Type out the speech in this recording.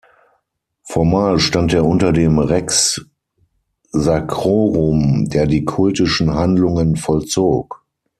Formal stand er unter dem Rex sacrorum, der die kultischen Handlungen vollzog.